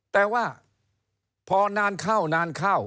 แต่ว่าพอนานเข้านานเข้า